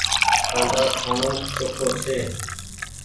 ڪآندآ کآڻو چوکو ڇي ۔